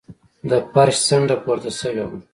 د فرش څنډه پورته شوې وه.